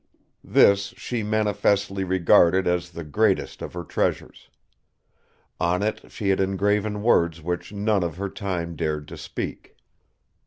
This she manifestly regarded as the greatest of her treasures. On it she had engraven words which none of her time dared to speak.